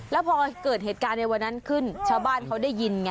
แล้วพอเกิดเหตุการณ์ในวันนั้นขึ้นชาวบ้านเขาได้ยินไง